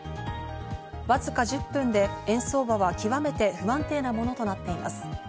わずか１０分で円相場は極めて不安定なものとなっています。